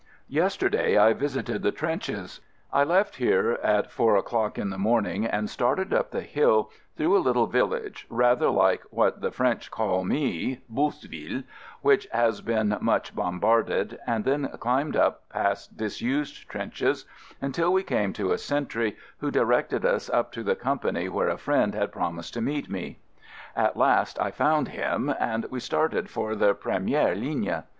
Yesterday I visited the trenches. I left here at four o'clock in the morning and started up the hill through a little village, rather like what the French call me, "Booseville," which has been much bombarded, and then climbed up past dis used trenches until we came to a sentry who directed us up to the company where a friend had promised to meet me. At last I found him and we started for the "premier ligne."